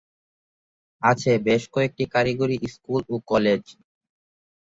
আছে বেশ কয়েকটি কারিগরি স্কুল ও কলেজ।